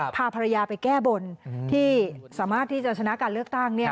พาภรรยาไปแก้บนที่สามารถที่จะชนะการเลือกตั้ง